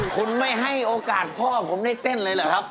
คุณไม่ให้โอกาสพ่อผมได้เต้นเลยเหรอครับ